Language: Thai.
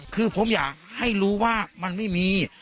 คือผมอยากให้รู้ว่ามันไม่มี